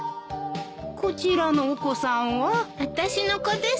こちらのお子さんは？あたしの子です。